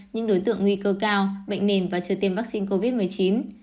những đối tượng nguy cơ cao bệnh nền và chưa tiêm vaccine covid một mươi chín